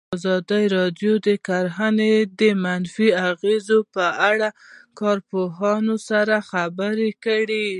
ازادي راډیو د کرهنه د منفي اغېزو په اړه له کارپوهانو سره خبرې کړي.